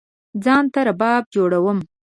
ځان ته رباب جوړوم